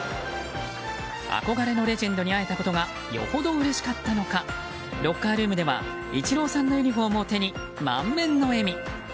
憧れのレジェンドに会えたことがよほどうれしかったのかロッカールームではイチローさんのユニホームを手に満面の笑み。